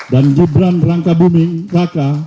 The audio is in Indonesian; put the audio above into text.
dan gibran rangka buming raka